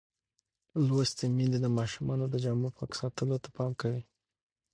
لوستې میندې د ماشومانو د جامو پاک ساتلو ته پام کوي.